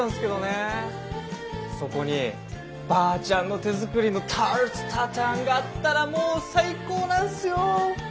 そこにばあちゃんの手作りのタルトタタンがあったらもう最高なんすよ。